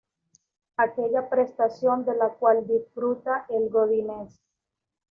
Aquella prestación de la cuál disfruta el Godínez.